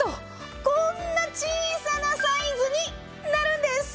こんな小さなサイズになるんです！